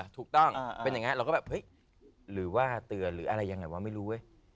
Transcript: ถูกต้องเป็นอย่างนี้เราก็แบบเฮ้ยหรือว่าเตือนหรืออะไรยังไงวะไม่รู้เว้ย